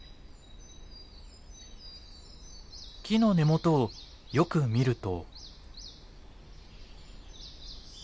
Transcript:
木の根元をよく見ると。